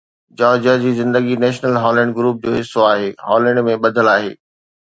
Georgia جي زندگي National Holland Group جو حصو آهي هالينڊ ۾ ٻڌل آهي